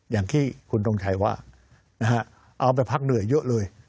อย่างที่คุณทงชัยว่าเอาไปพักเหนื่อยเยอะเลย